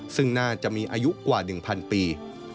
ซึ่งน่าจะมีอายุกว่า๑๐๐ปี